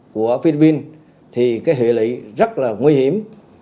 của philippines thì hệ lị rất là nguy hiểm